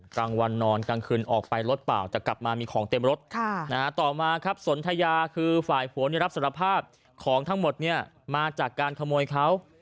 กลางวันนอนกลางคืนออกไปรถเปล่าแต่กลับมามีของเต็มรถต่อมาครับสนทยาคือฝ่ายผัวรับสารภาพของทั้งหมดเนี่ยมาจากการขโมยเขา